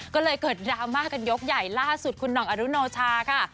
ก็เลยเกิดดราม่ากันยกใหญ่ล่าสุดคุณห่องอรุโนชาค่ะ